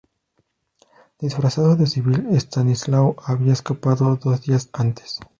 Disfrazado de civil, Estanislao había escapado dos días antes.